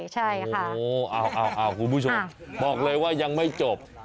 สลัดแบบสลัดแขก